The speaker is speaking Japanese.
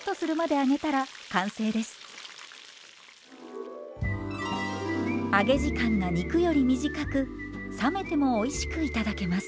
揚げ時間が肉より短く冷めてもおいしく頂けます。